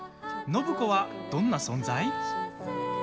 暢子はどんな存在？